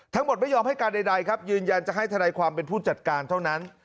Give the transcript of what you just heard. ไม่ยอมให้การใดครับยืนยันจะให้ทนายความเป็นผู้จัดการเท่านั้น